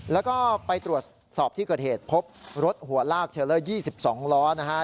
แล้วก็ไปตรวจสอบที่เกิดเหตุพบรถหัวลากเทลเลอร์๒๒ล้อนะฮะ